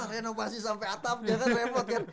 renovasi sampai atapnya kan repot kan